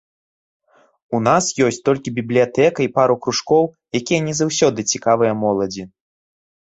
У нас ёсць толькі бібліятэка і пару кружкоў, якія не заўсёды цікавыя моладзі.